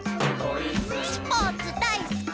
「スポーツだいすき！」